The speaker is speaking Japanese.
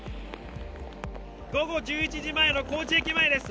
午後１１時前の高知駅前です。